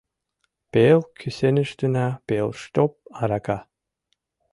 Пел кӱсеныштына пелштоп арака